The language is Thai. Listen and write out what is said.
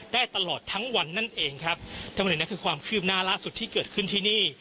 ตลอดทั้งวันนั่นเองครับทั้งหมดนี้คือความคืบหน้าล่าสุดที่เกิดขึ้นที่นี่